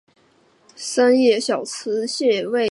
三叶小瓷蟹为瓷蟹科小瓷蟹属下的一个种。